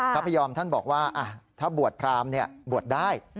พระพยอมท่านบอกว่าถ้าบวชพรามบวชได้